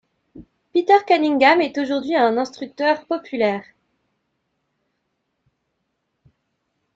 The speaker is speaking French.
Peter Cunningham est aujourd’hui un instructeur populaire.